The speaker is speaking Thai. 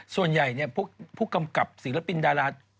ส่วนใหญ่ผู้กำกับศิลปินดารา